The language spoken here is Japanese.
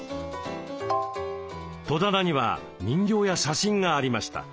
戸棚には人形や写真がありました。